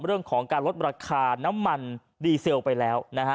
เรื่องของการลดราคาน้ำมันดีเซลไปแล้วนะฮะ